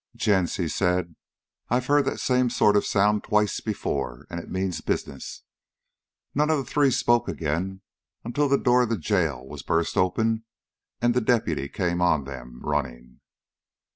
"Gents," he said, "I've heard that same sort of a sound twice before, and it means business." None of the three spoke again until the door of the jail was burst open, and the deputy came on them, running.